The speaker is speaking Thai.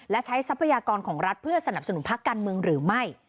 และใช้ทรัพยากรของรัฐเพื่อสนับสนุนพักการเมืองหรือไม่